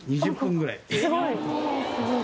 ２０分ぐらい。